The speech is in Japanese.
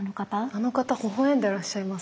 あの方ほほ笑んでらっしゃいます！